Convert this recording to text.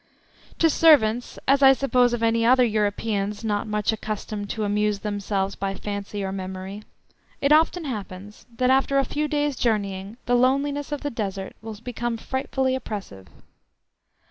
To servants, as I suppose of any other Europeans not much accustomed to amuse themselves by fancy or memory, it often happens that after a few days journeying the loneliness of the Desert will become frightfully oppressive.